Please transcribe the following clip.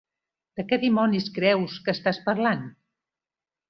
De què dimonis creus que estàs parlant?